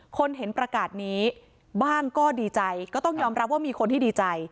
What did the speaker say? คนเห็นประกาศนี้บ้างก็ดีใจก็ต้องยอมรับว่ามีคนที่ดีใจ